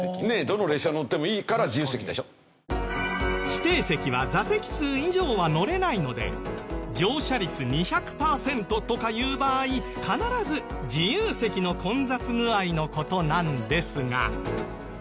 指定席は座席数以上は乗れないので乗車率２００パーセントとかいう場合必ず自由席の混雑具合の事なんですが。